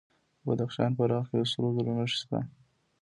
د بدخشان په راغ کې د سرو زرو نښې شته.